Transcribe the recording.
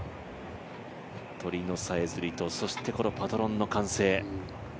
鳥のさえずりと、このパトロンの歓声。